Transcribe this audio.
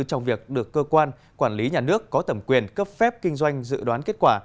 trong việc được cơ quan quản lý nhà nước có tầm quyền cấp phép kinh doanh dự đoán kết quả